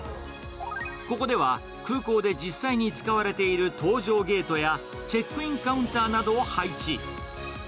ここでは、空港で実際に使われている搭乗ゲートやチェックインカウンターなどを配置。